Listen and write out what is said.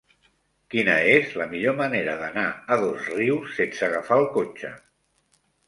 Quina és la millor manera d'anar a Dosrius sense agafar el cotxe?